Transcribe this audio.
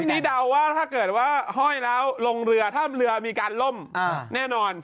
ทีนี้เดาว่าถ้าเกิดว่าห้อยแล้วลงเรือถ้าเรือมีการล่มแน่นอน